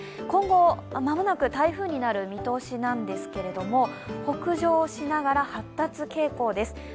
今後、間もなく台風になる見通しなんですけど北上しながら発達傾向です。